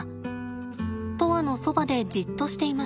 砥愛のそばでじっとしています。